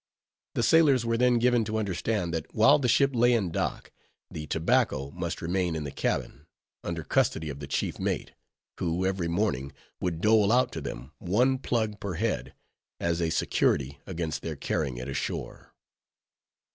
The sailors were then given to understand, that while the ship lay in dock, the tobacco must remain in the cabin, under custody of the chief mate, who every morning would dole out to them one plug per head, as a security against their carrying it ashore.